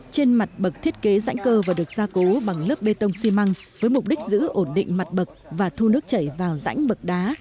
trên mặt bậc thiết kế rãnh cơ và được gia cố bằng lớp bê tông xi măng với mục đích giữ ổn định mặt bậc và thu nước chảy vào rãnh bậc đá